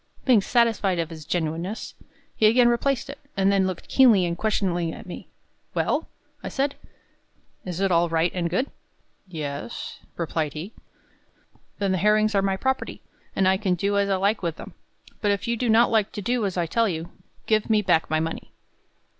Being satisfied of its genuineness, he again replaced it, and then looked keenly and questioningly at me. "Well," I said, "is it all right and good?" "Yes," replied he. "Then the herrings are my property, and I can do as I like with them; but if you do not like to do as I tell you, give me back my money."